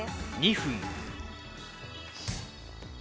「２分」。